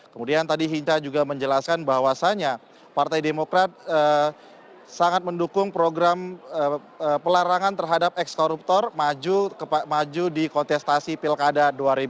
kemudian tadi hinca juga menjelaskan bahwasannya partai demokrat sangat mendukung program pelarangan terhadap ekskoruptor maju di kontestasi pilkada dua ribu delapan belas